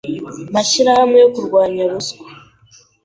mashyirahamwe yo kurwanya ruswa